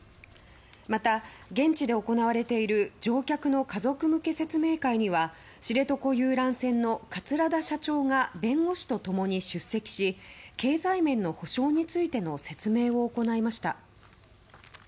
また、現地で行われている乗客の家族向け説明会には知床遊覧船の桂田社長が弁護士と共に出席し経済面の補償についての説明を行いました。